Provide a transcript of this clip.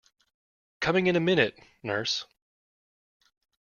Coming in a minute, nurse!